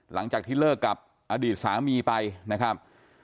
หลังจากที่เลิกกับอดีตสามีไปนะครับ